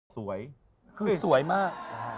สวยคือสวยมาก